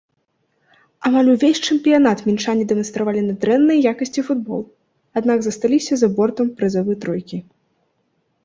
Амаль увесь чэмпіянат мінчане дэманстравалі нядрэннай якасці футбол, аднак засталіся за бортам прызавы тройкі.